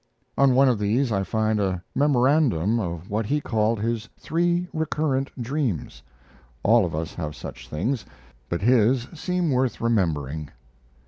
On one of these I find a memorandum of what he called his three recurrent dreams. All of us have such things, but his seem worth remembering.